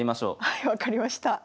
はい分かりました。